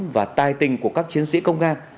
và tai tình của các chiến sĩ công an